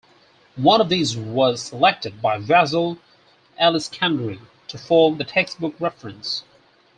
One of these was selected by Vasile Alecsandri to form the textbook reference.